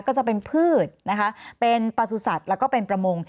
ก็จะเป็นพืชนะคะเป็นประสุทธิ์แล้วก็เป็นประมง